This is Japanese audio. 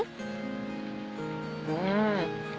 うん。